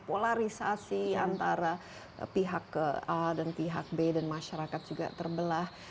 polarisasi antara pihak a dan pihak b dan masyarakat juga terbelah